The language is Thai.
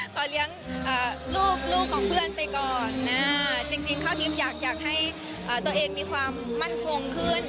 ตอนเลี้ยงลูกของเพื่อนไปก่อนจริงข้าวทิพย์อยากให้ตัวเองมีความมั่นคงขึ้น